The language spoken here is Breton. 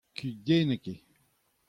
Kudennek eo.